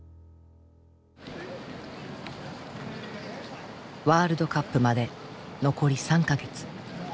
ワールドカップまで残り３か月。